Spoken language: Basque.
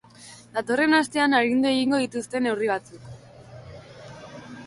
Datorren astean arindu egingo dituzte neurri batzuk.